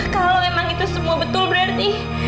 kalau memang itu semua betul berarti